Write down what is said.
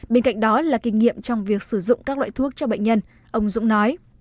bên cạnh đó là kinh nghiệm trong việc sử dụng các loại thuốc cho bệnh nhân ông dũng nói